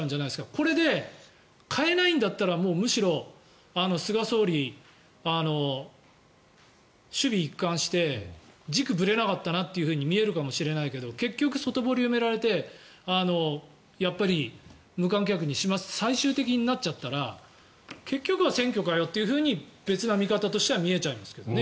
これで変えないんだったらむしろ菅総理、首尾一貫して軸がぶれなかったなと見えるかもしれないけど結局、外堀を埋められてやっぱり無観客にしますって最終的になっちゃったら結局は選挙かよって別な見方では見えちゃいますけどね。